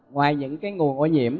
ngoài những cái nguồn ô nhiễm